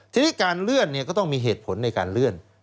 ทีนี้การเลื่อนก็ต้องมีเหตุผลในการเลื่อน